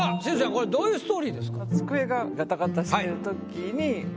これどういうストーリーですか？